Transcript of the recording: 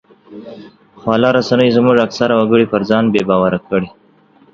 خواله رسنیو زموږ اکثره وګړي پر ځان بې باوره کړي